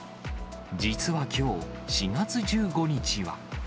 実はきょう４月１５日は。